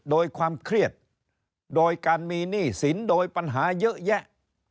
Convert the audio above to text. โดยความเครียดโดยการมีหนี้สินโดยปัญหาเยอะแยะ